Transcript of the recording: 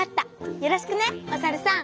よろしくねおさるさん！